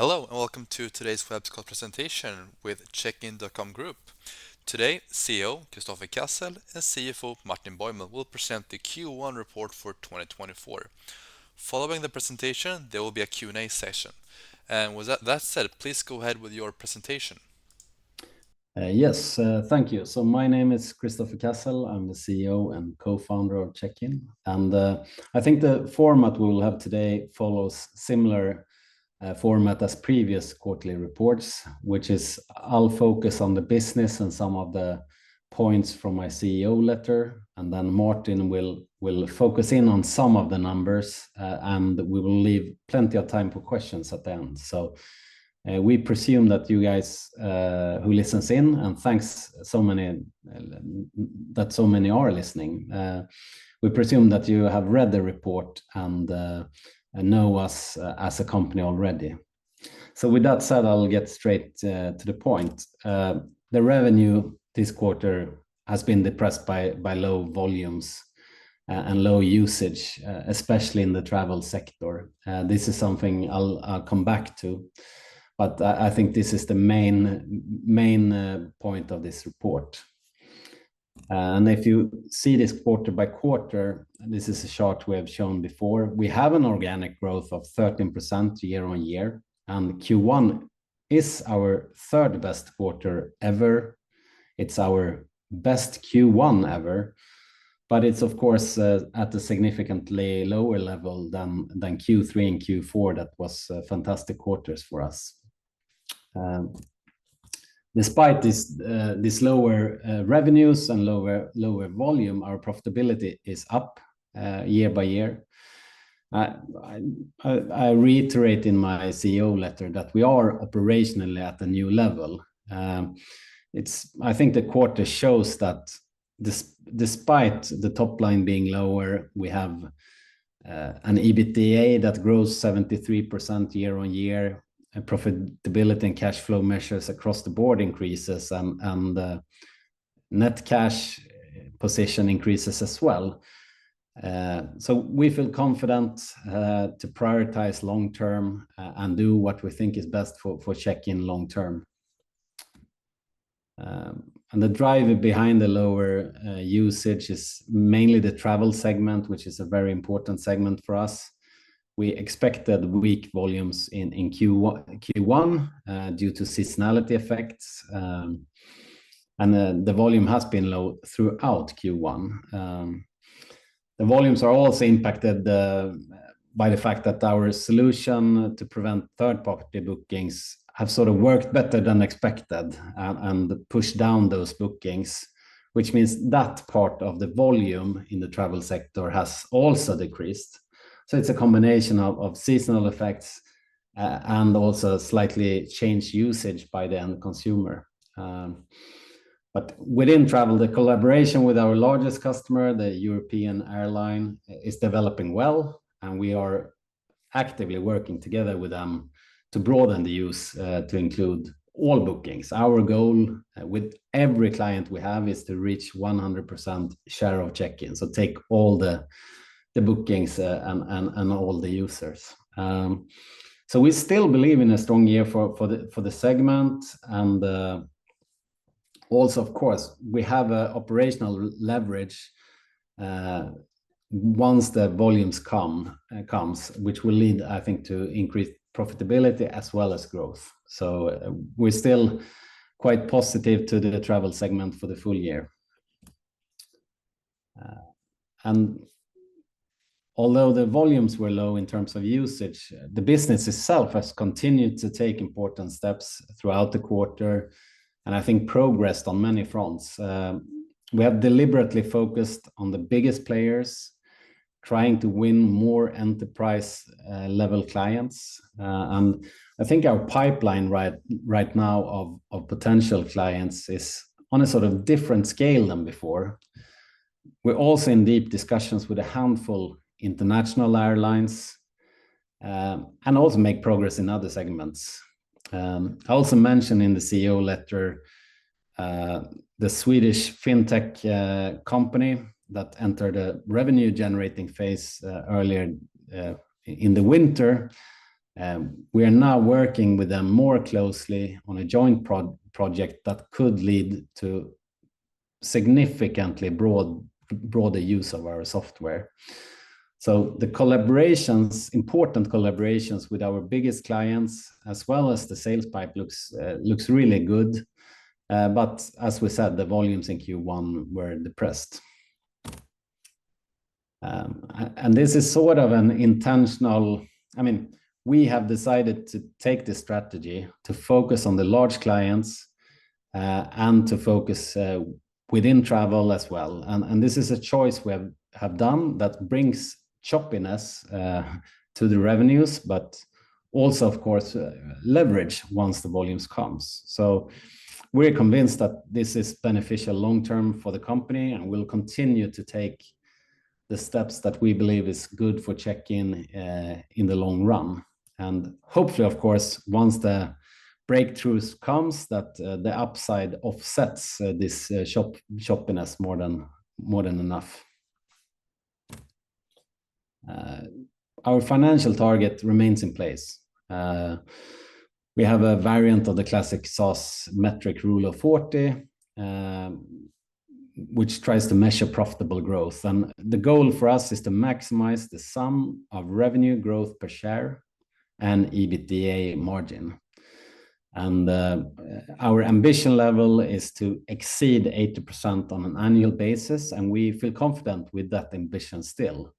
Hello, and welcome to today's webcast presentation with Checkin.com Group. Today, CEO Kristoffer Cassel and CFO Martin Bäuml will present the Q1 report for 2024. Following the presentation, there will be a Q&A session. And with that, that said, please go ahead with your presentation. Yes, thank you. So my name is Kristoffer Cassel. I'm the CEO and co-founder of Checkin. And, I think the format we will have today follows similar format as previous quarterly reports, which is I'll focus on the business and some of the points from my CEO letter, and then Martin will focus in on some of the numbers. And we will leave plenty of time for questions at the end. So, we presume that you guys who listens in, and thanks so many... that so many are listening. We presume that you have read the report and know us as a company already. So with that said, I'll get straight to the point. The revenue this quarter has been depressed by low volumes and low usage, especially in the travel sector. This is something I'll come back to, but I think this is the main point of this report. If you see this quarter by quarter, this is a chart we have shown before. We have an organic growth of 13% year-on-year, and Q1 is our third-best quarter ever. It's our best Q1 ever, but it's of course at a significantly lower level than Q3 and Q4. That was fantastic quarters for us. Despite this lower revenues and lower volume, our profitability is up year-by-year. I reiterate in my CEO letter that we are operationally at a new level. It's... I think the quarter shows that despite the top line being lower, we have an EBITDA that grows 73% year-on-year, and profitability and cash flow measures across the board increases, and net cash position increases as well. So we feel confident to prioritize long term, and do what we think is best for Checkin long term. And the driver behind the lower usage is mainly the travel segment, which is a very important segment for us. We expected weak volumes in Q1 due to seasonality effects, and the volume has been low throughout Q1. The volumes are also impacted by the fact that our solution to prevent third-party bookings have sort of worked better than expected and pushed down those bookings, which means that part of the volume in the travel sector has also decreased. So it's a combination of seasonal effects and also slightly changed usage by the end consumer. But within travel, the collaboration with our largest customer, the European airline, is developing well, and we are actively working together with them to broaden the use to include all bookings. Our goal with every client we have is to reach 100% share of Checkin, so take all the bookings and all the users. So we still believe in a strong year for the segment and also, of course, we have an operational leverage once the volumes come, which will lead, I think, to increased profitability as well as growth. So we're still quite positive to the travel segment for the full year. And although the volumes were low in terms of usage, the business itself has continued to take important steps throughout the quarter and I think progressed on many fronts. We have deliberately focused on the biggest players, trying to win more enterprise level clients. And I think our pipeline right now of potential clients is on a sort of different scale than before. We're also in deep discussions with a handful international airlines and also make progress in other segments. I also mentioned in the CEO letter, the Swedish fintech company that entered a revenue-generating phase earlier in the winter. We are now working with them more closely on a joint project that could lead to significantly broader use of our software. So the collaborations, important collaborations with our biggest clients, as well as the sales pipe, looks really good. But as we said, the volumes in Q1 were depressed. This is sort of an intentional... I mean, we have decided to take this strategy to focus on the large clients, and to focus within travel as well. And this is a choice we have done that brings choppiness to the revenues, but also of course, leverage once the volumes comes. So we're convinced that this is beneficial long term for the company, and we'll continue to take the steps that we believe is good for Checkin in the long run. And hopefully, of course, once the breakthroughs comes, that the upside offsets this choppiness more than enough. Our financial target remains in place. We have a variant of the classic SaaS metric Rule of Forty, which tries to measure profitable growth. And the goal for us is to maximize the sum of revenue growth per share and EBITDA margin. And our ambition level is to exceed 80% on an annual basis, and we feel confident with that ambition still.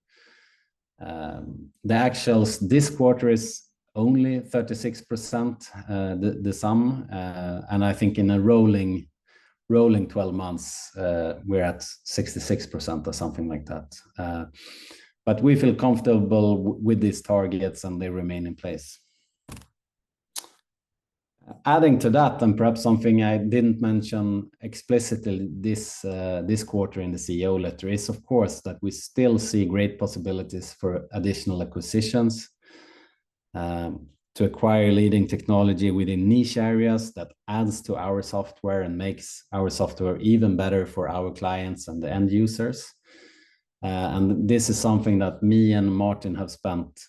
The actuals this quarter is only 36%, the sum, and I think in a rolling 12 months, we're at 66% or something like that. But we feel comfortable with these targets, and they remain in place. Adding to that, and perhaps something I didn't mention explicitly this quarter in the CEO letter, is of course, that we still see great possibilities for additional acquisitions, to acquire leading technology within niche areas that adds to our software and makes our software even better for our clients and the end users. And this is something that me and Martin have spent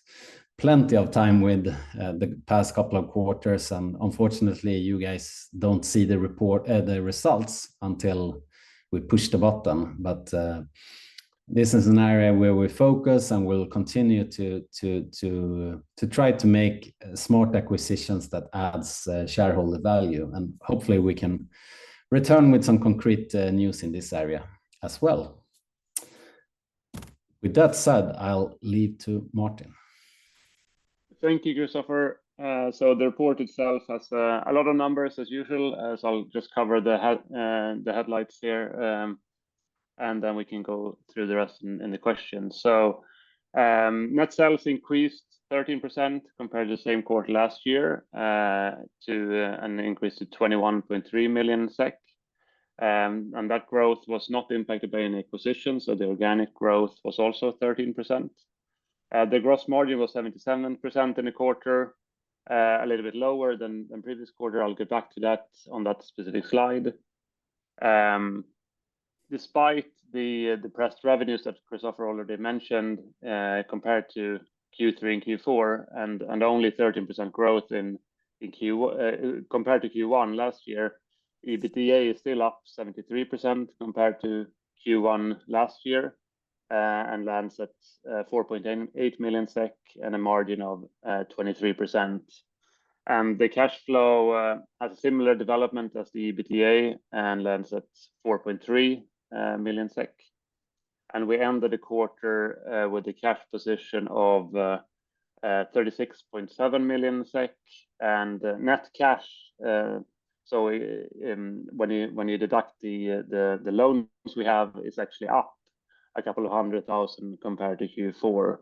plenty of time with, the past couple of quarters, and unfortunately, you guys don't see the report, the results until we push the button. But, this is an area where we focus, and we'll continue to try to make smart acquisitions that adds shareholder value. And hopefully, we can return with some concrete news in this area as well. With that said, I'll leave to Martin. Thank you, Kristoffer. So the report itself has a lot of numbers as usual, as I'll just cover the headlights here, and then we can go through the rest in the questions. So, net sales increased 13% compared to the same quarter last year, to an increase to 21.3 million SEK. And that growth was not impacted by any acquisitions, so the organic growth was also 13%. The gross margin was 77% in the quarter, a little bit lower than the previous quarter. I'll get back to that on that specific slide. Despite the depressed revenues that Kristoffer already mentioned, compared to Q3 and Q4, and only 13% growth in Q... Compared to Q1 last year, EBITDA is still up 73% compared to Q1 last year, and lands at 4.8 million SEK and a margin of 23%. The cash flow has a similar development as the EBITDA and lands at 4.3 million SEK. We ended the quarter with a cash position of 36.7 million SEK and net cash. So, when you deduct the loans we have, it's actually up a couple of hundred thousand SEK compared to Q4.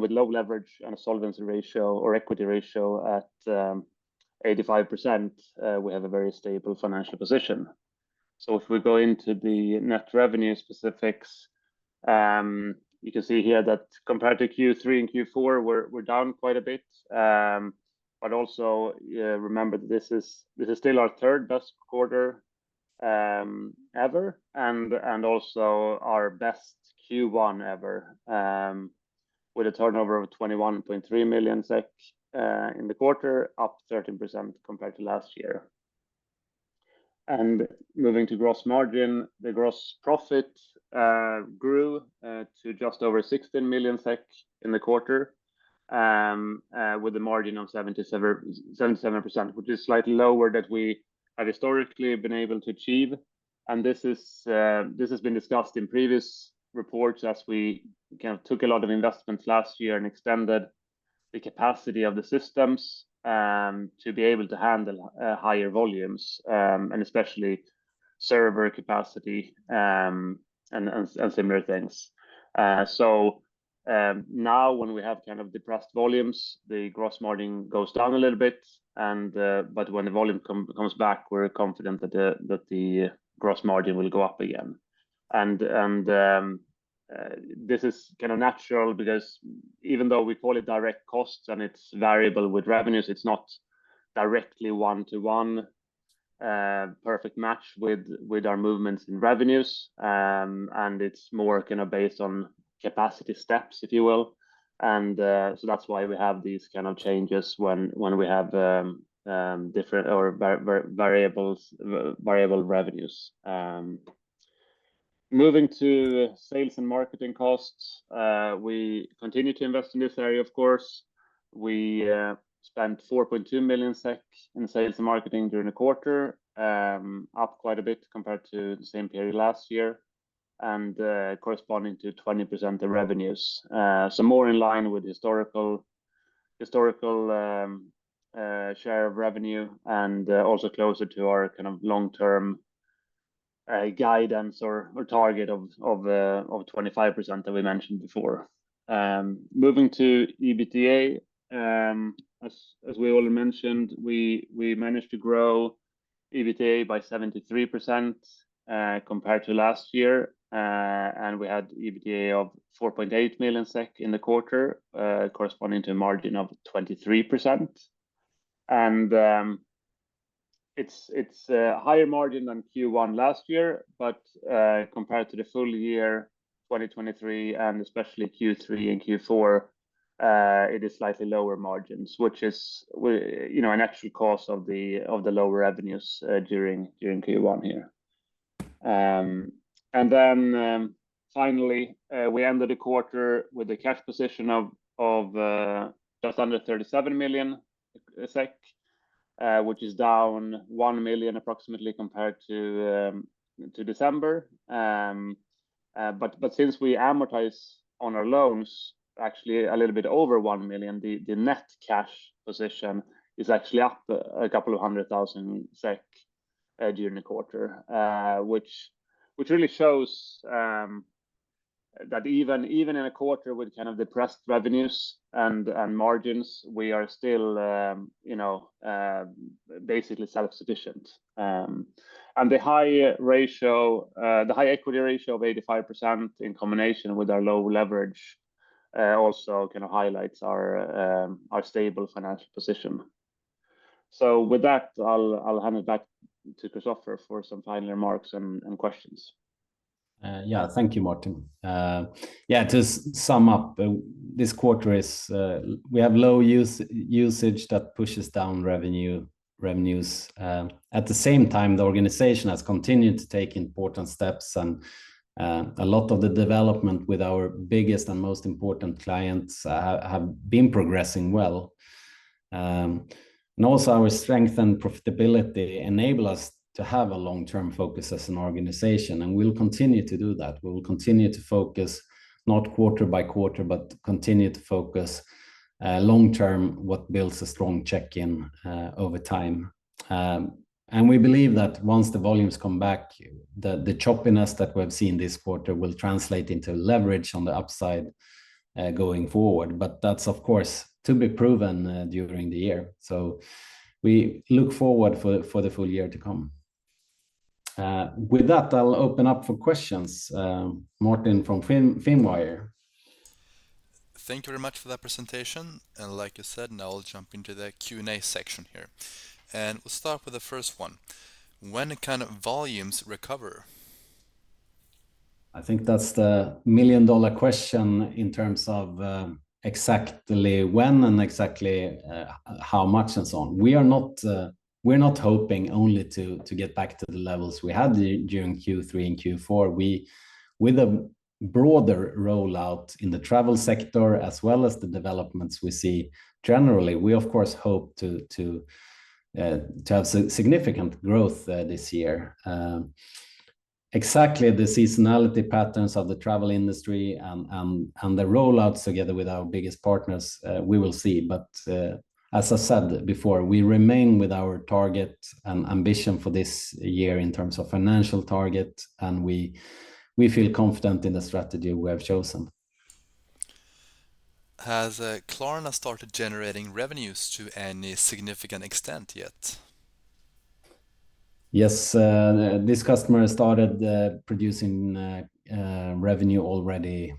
With low leverage and a solvency ratio or equity ratio at 85%, we have a very stable financial position. So if we go into the net revenue specifics, you can see here that compared to Q3 and Q4, we're down quite a bit. But also, remember, this is still our third-best quarter ever, and also our best Q1 ever, with a turnover of 21.3 million SEK in the quarter, up 13% compared to last year. And moving to gross margin, the gross profit grew to just over 16 million SEK in the quarter, with a margin of 77%, which is slightly lower than we have historically been able to achieve. This has been discussed in previous reports as we kind of took a lot of investments last year and extended the capacity of the systems to be able to handle higher volumes, and especially server capacity, and similar things. So, now when we have kind of depressed volumes, the gross margin goes down a little bit, but when the volume comes back, we're confident that the gross margin will go up again. This is kind of natural because even though we call it direct costs and it's variable with revenues, it's not directly one-to-one perfect match with our movements in revenues. It's more kind of based on capacity steps, if you will. So that's why we have these kind of changes when we have different or various variables, variable revenues. Moving to sales and marketing costs, we continue to invest in this area, of course. We spent 4.2 million SEK in sales and marketing during the quarter, up quite a bit compared to the same period last year, and corresponding to 20% the revenues. So more in line with historical share of revenue and also closer to our kind of long-term guidance or target of 25% that we mentioned before. Moving to EBITDA, as we already mentioned, we managed to grow EBITDA by 73%, compared to last year, and we had EBITDA of 4.8 million SEK in the quarter, corresponding to a margin of 23%. It's a higher margin than Q1 last year, but compared to the full year 2023, and especially Q3 and Q4, it is slightly lower margins, which is, you know, a natural cost of the lower revenues during Q1 here. And then, finally, we ended the quarter with a cash position of just under 37 million, which is down approximately 1 million compared to December. But since we amortize on our loans, actually a little bit over 1 million, the net cash position is actually up a couple of hundred thousand SEK during the quarter. Which really shows that even in a quarter with kind of depressed revenues and margins, we are still, you know, basically self-sufficient. And the high equity ratio of 85% in combination with our low leverage also kind of highlights our stable financial position. So with that, I'll hand it back to Kristoffer for some final remarks and questions. Yeah. Thank you, Martin. Yeah, to sum up, this quarter is, we have low usage that pushes down revenue, revenues. At the same time, the organization has continued to take important steps, and, a lot of the development with our biggest and most important clients, have been progressing well. And also our strength and profitability enable us to have a long-term focus as an organization, and we'll continue to do that. We will continue to focus not quarter by quarter, but continue to focus, long term, what builds a strong Checkin, over time. And we believe that once the volumes come back, the choppiness that we've seen this quarter will translate into leverage on the upside, going forward. But that's, of course, to be proven, during the year. We look forward for the full year to come. With that, I'll open up for questions. Martin from Finwire. Thank you very much for that presentation. Like you said, now I'll jump into the Q&A section here. We'll start with the first one. When can volumes recover? I think that's the million-dollar question in terms of exactly when and exactly how much and so on. We are not hoping only to get back to the levels we had during Q3 and Q4. With a broader rollout in the travel sector, as well as the developments we see generally, we of course hope to have significant growth this year. Exactly the seasonality patterns of the travel industry and the rollouts together with our biggest partners, we will see. But as I said before, we remain with our target and ambition for this year in terms of financial target, and we feel confident in the strategy we have chosen. Has Klarna started generating revenues to any significant extent yet? Yes. This customer has started producing revenue already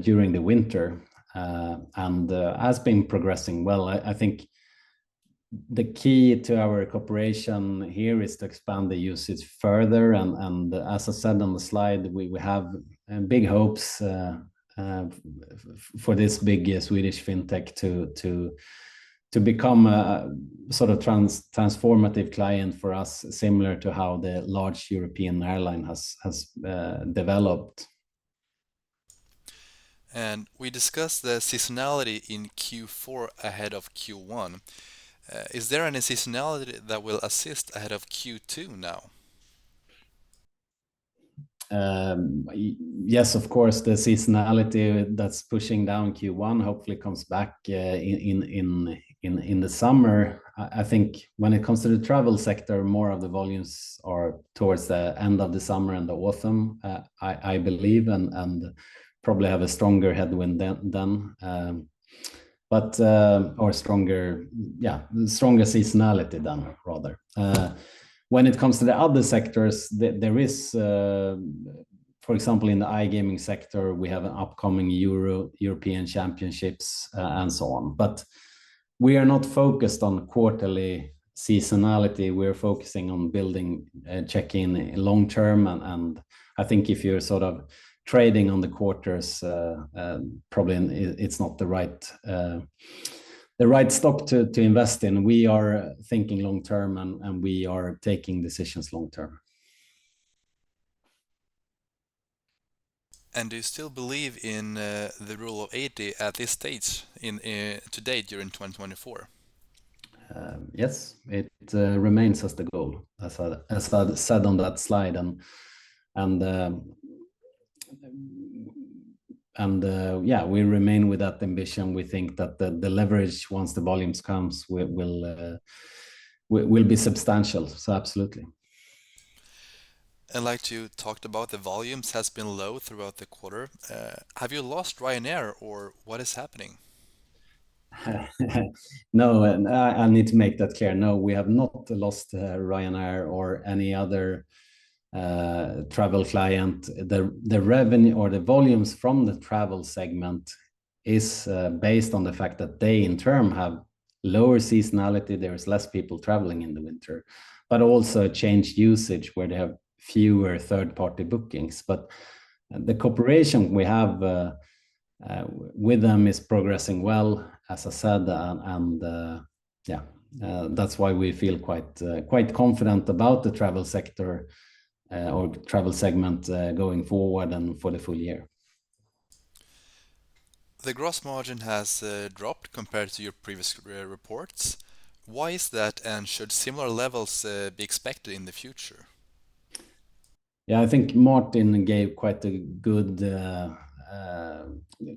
during the winter and has been progressing well. I think the key to our cooperation here is to expand the usage further, and as I said on the slide, we have big hopes for this big Swedish fintech to become a sort of transformative client for us, similar to how the large European airline has developed. We discussed the seasonality in Q4 ahead of Q1. Is there any seasonality that will assist ahead of Q2 now? Yes, of course, the seasonality that's pushing down Q1 hopefully comes back in the summer. I think when it comes to the travel sector, more of the volumes are towards the end of the summer and the autumn, I believe, and probably have a stronger headwind then. But or stronger, yeah, stronger seasonality than rather. When it comes to the other sectors, there is, for example, in the iGaming sector, we have an upcoming European championships, and so on. But we are not focused on quarterly seasonality, we're focusing on building Checkin long term. And I think if you're sort of trading on the quarters, probably it's not the right stock to invest in. We are thinking long term, and we are taking decisions long term. Do you still believe in the rule of eighty at this stage, in to date during 2024? Yes. It remains as the goal, as I said on that slide. And, yeah, we remain with that ambition. We think that the leverage, once the volumes comes, will be substantial. So absolutely. I'd like to talked about the volumes has been low throughout the quarter. Have you lost Ryanair, or what is happening? No, I need to make that clear. No, we have not lost Ryanair or any other travel client, the revenue or the volumes from the travel segment is based on the fact that they in turn have lower seasonality. There is less people traveling in the winter, but also changed usage where they have fewer third-party bookings. But the cooperation we have with them is progressing well, as I said, and, yeah, that's why we feel quite quite confident about the travel sector or travel segment going forward and for the full year. The gross margin has dropped compared to your previous reports. Why is that? And should similar levels be expected in the future? Yeah, I think Martin gave quite a good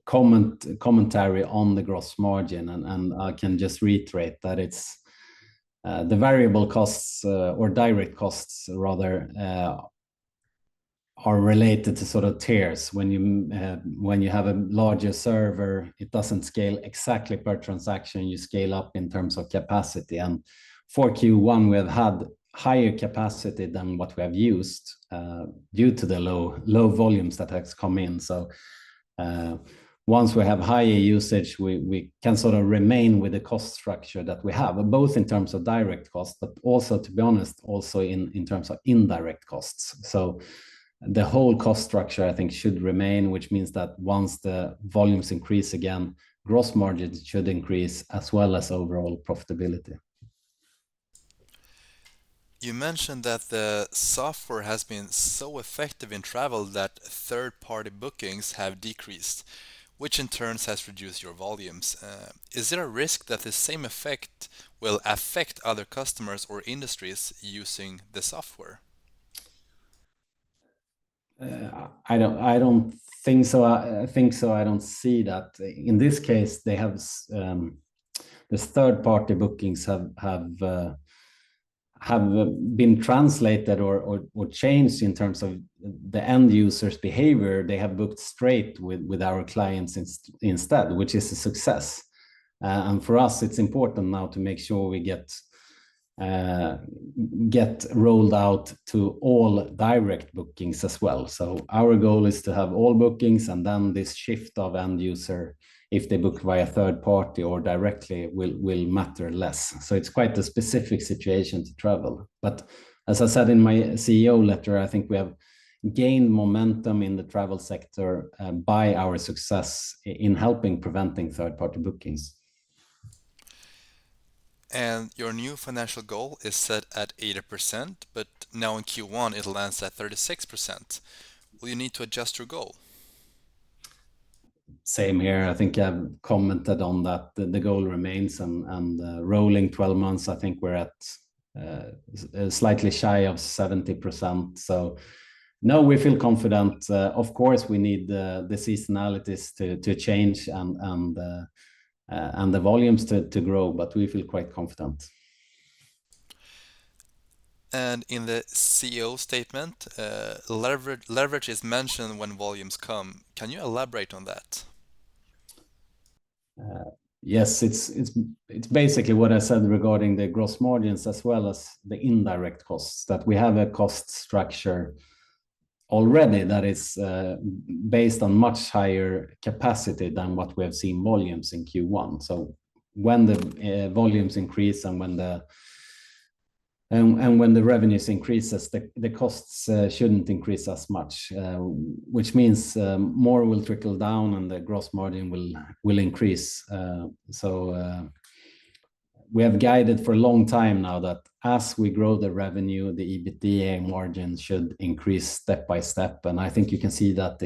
commentary on the gross margin, and, and I can just reiterate that it's the variable costs, or direct costs, rather, are related to sort of tiers. When you have a larger server, it doesn't scale exactly per transaction. You scale up in terms of capacity, and for Q1, we have had higher capacity than what we have used due to the low volumes that has come in. So once we have higher usage, we can sort of remain with the cost structure that we have, both in terms of direct costs, but also, to be honest, also in terms of indirect costs. So the whole cost structure, I think, should remain, which means that once the volumes increase again, gross margins should increase as well as overall profitability. You mentioned that the software has been so effective in travel that third-party bookings have decreased, which in turn has reduced your volumes. Is there a risk that the same effect will affect other customers or industries using the software? I don't think so. I think so. I don't see that. In this case, the third-party bookings have been translated or changed in terms of the end user's behavior. They have booked straight with our clients instead, which is a success. And for us, it's important now to make sure we get rolled out to all direct bookings as well. So our goal is to have all bookings, and then this shift of end user, if they book via third party or directly, will matter less. So it's quite a specific situation to travel. But as I said in my CEO letter, I think we have gained momentum in the travel sector by our success in helping preventing third-party bookings. Your new financial goal is set at 80%, but now in Q1, it lands at 36%. Will you need to adjust your goal? Same here. I think I've commented on that. The goal remains, and rolling 12 months, I think we're at slightly shy of 70%. So no, we feel confident. Of course, we need the seasonalities to change and the volumes to grow, but we feel quite confident. In the CEO statement, leverage, leverage is mentioned when volumes come. Can you elaborate on that? Yes, it's basically what I said regarding the gross margins as well as the indirect costs, that we have a cost structure already that is based on much higher capacity than what we have seen volumes in Q1. So when the volumes increase and when the revenues increases, the costs shouldn't increase as much, which means more will trickle down, and the gross margin will increase. So we have guided for a long time now that as we grow the revenue, the EBITDA margin should increase step by step, and I think you can see that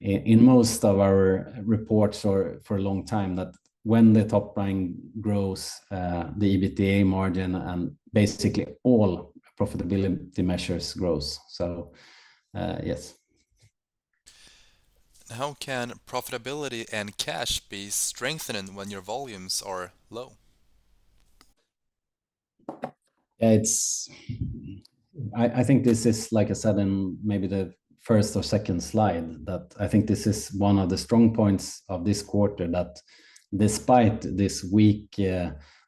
in most of our reports or for a long time, that when the top line grows, the EBITDA margin and basically all profitability measures grows, so yes. How can profitability and cash be strengthened when your volumes are low? It's, I think this is, like I said, in maybe the first or second slide, that I think this is one of the strong points of this quarter, that despite this weak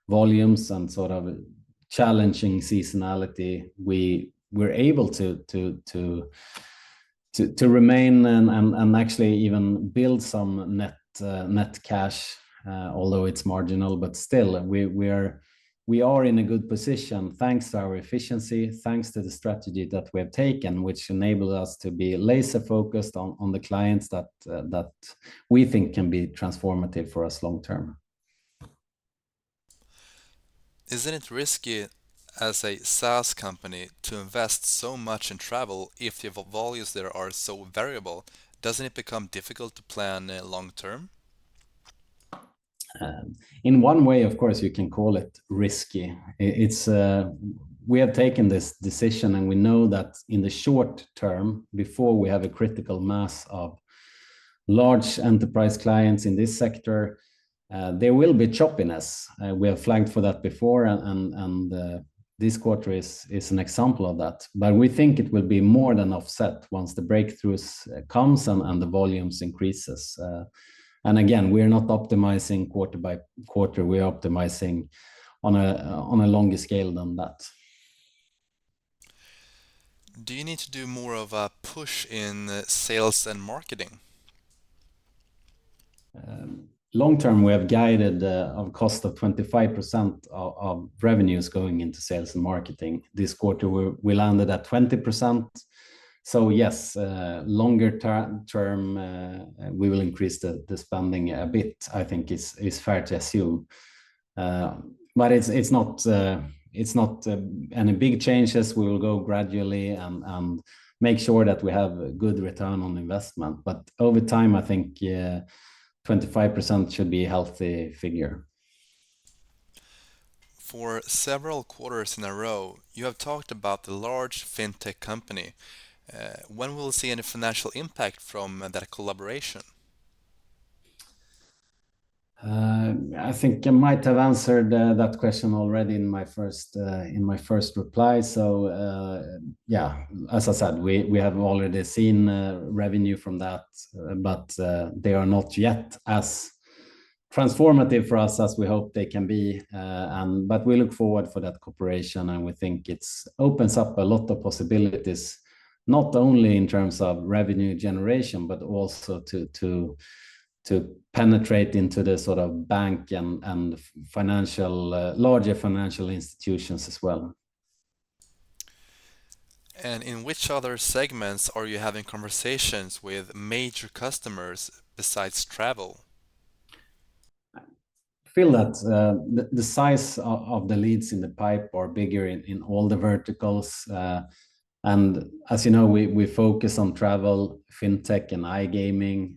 volumes and sort of challenging seasonality, we were able to remain and actually even build some net cash, although it's marginal. But still, we are in a good position, thanks to our efficiency, thanks to the strategy that we have taken, which enabled us to be laser-focused on the clients that we think can be transformative for us long term. Isn't it risky as a SaaS company to invest so much in travel if the volumes there are so variable? Doesn't it become difficult to plan, long term? In one way, of course, you can call it risky. It's, we have taken this decision, and we know that in the short term, before we have a critical mass of large enterprise clients in this sector, there will be choppiness. We have flagged for that before, and this quarter is an example of that. But we think it will be more than offset once the breakthroughs comes and the volumes increases. And again, we are not optimizing quarter by quarter. We are optimizing on a longer scale than that. ...Do you need to do more of a push in sales and marketing? Long term, we have guided of cost of 25% of revenues going into sales and marketing. This quarter, we landed at 20%. So yes, longer term, we will increase the spending a bit, I think is fair to assume. But it's not any big changes. We will go gradually and make sure that we have a good return on investment. But over time, I think, yeah, 25% should be a healthy figure. For several quarters in a row, you have talked about the large fintech company. When will we see any financial impact from that collaboration? I think I might have answered that question already in my first reply. So, yeah, as I said, we have already seen revenue from that, but they are not yet as transformative for us as we hope they can be. But we look forward for that cooperation, and we think it's opens up a lot of possibilities, not only in terms of revenue generation, but also to penetrate into the sort of banking and larger financial institutions as well. And in which other segments are you having conversations with major customers besides travel? I feel that the size of the leads in the pipe are bigger in all the verticals. And as you know, we focus on travel, fintech, and iGaming.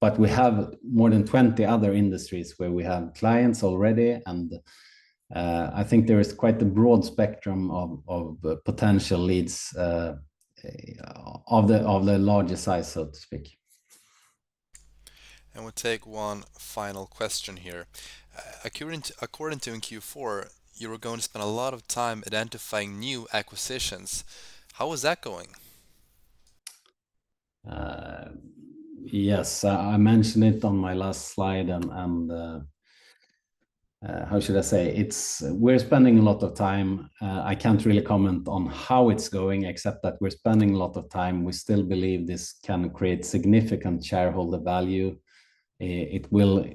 But we have more than 20 other industries where we have clients already, and I think there is quite a broad spectrum of potential leads of the larger size, so to speak. We'll take one final question here. According to in Q4, you were going to spend a lot of time identifying new acquisitions. How is that going? Yes, I mentioned it on my last slide, and how should I say? It's... We're spending a lot of time. I can't really comment on how it's going, except that we're spending a lot of time. We still believe this can create significant shareholder value. It will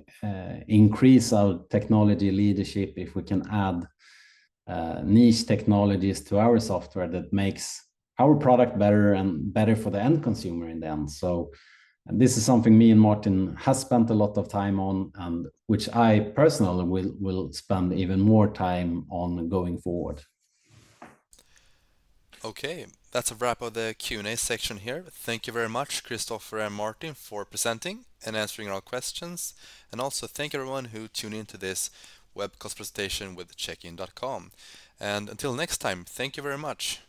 increase our technology leadership if we can add niche technologies to our software that makes our product better and better for the end consumer in the end. So this is something me and Martin has spent a lot of time on, and which I personally will spend even more time on going forward. Okay, that's a wrap of the Q&A section here. Thank you very much, Kristoffer and Martin, for presenting and answering our questions. Also, thank you everyone who tuned into this webcast presentation with Checkin.com. Until next time, thank you very much!